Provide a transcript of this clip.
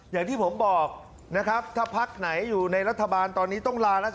อย่างที่สุดท้ายสร้างชาติกันบ้างครับคุณผู้ชมครับผลเอกประยุจจันทร์โอชาญนายกัธมนตรีนะครับ